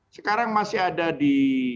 sekarang masih ada di